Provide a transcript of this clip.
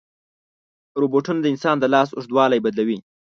روبوټونه د انسان د لاس اوږدوالی بدلوي.